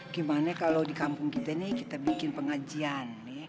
gimana kalau di kampung kita ini kita bikin pengajian